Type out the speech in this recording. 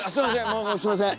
もうすんません。